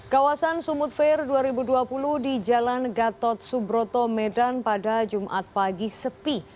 kawasan sumut fair dua ribu dua puluh di jalan gatot subroto medan pada jumat pagi sepi